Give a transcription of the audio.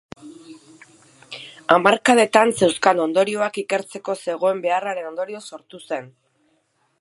Hamarkadetan zeuzkan ondorioak ikertzeko zegoen beharraren ondorioz sortu zen.